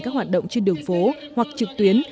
các hoạt động trên đường phố hoặc trực tuyến